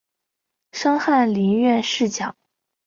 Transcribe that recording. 升翰林院侍讲。